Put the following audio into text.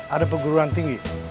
ada perguruan tinggi